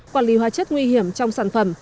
quản lý hóa chất nguy hiểm trong sản phẩm